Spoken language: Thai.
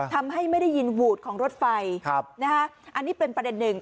ไม่ได้ยินหวูดของรถไฟอันนี้เป็นประเด็นหนึ่ง